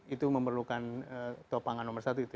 itu memerlukan topangan nomor satu itu